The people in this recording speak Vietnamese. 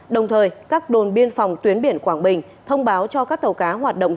đồng thời các đồn biên phòng tuyến biển quảng bình thông báo cho các tàu cá hoạt động